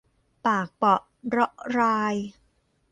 ปากเปราะเราะราย